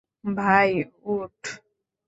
ভাই, উঠ।